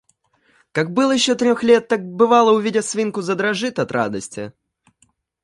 Как был еще трех лет, так, бывало, увидя свинку, задрожит от радости.